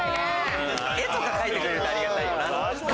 絵とか描いてくれるとありがたいよな。